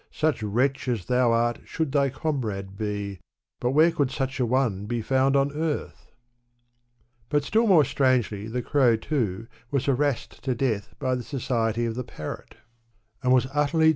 Such wretch as thou art should thy comrade be, But where could such a one be found on earth ! But still more strangely the crow, too, was harassed to death by the society of the parrot, and was utterly C8KD Digitized by Google j m Gulistan; or.